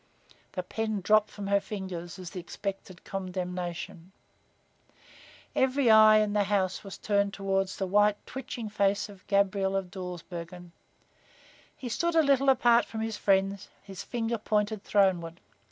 The pen dropped from her fingers as the expected condemnation came. Every eye in the house was turned toward the white, twitching face of Gabriel of Dawsbergen. He stood a little apart from his friends, his finger pointed throneward.